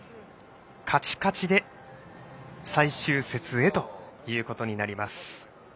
カチカチで最終節へということになります。